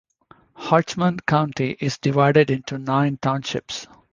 Hodgeman County is divided into nine townships.